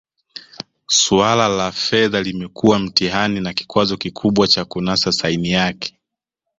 Suala la fedha limekuwa mtihani na kikwazo kikubwa cha kunasa saini yake